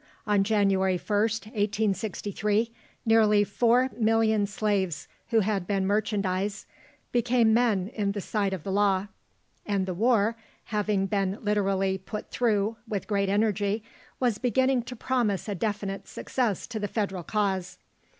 On January 1st, 1863, nearly 4,000,000 slaves who had been merchandise became men in the sight of the law, and the war, having been literally "put through" with great energy, was beginning to promise a definite success to the Federal cause.